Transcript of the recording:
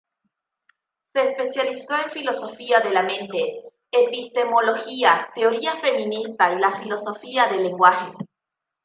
Se especializó en filosofía de la mente, epistemología, teoría feminista, y filosofía del lenguaje.